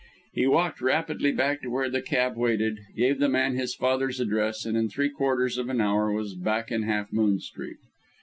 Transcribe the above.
He walked rapidly back to where the cab waited, gave the man his father's address, and, in three quarters of an hour, was back in Half Moon Street.